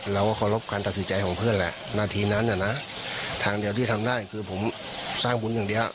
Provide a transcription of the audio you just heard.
เราก็เคารพการตัดสินใจของเพื่อนแหละนาทีนั้นน่ะนะทางเดียวที่ทำได้คือผมสร้างบุญอย่างเดียว